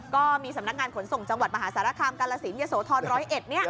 ก็มีสำนักงานขนส่งจังหวัดมหาสารคามกาลสินยะโสธร๑๐๑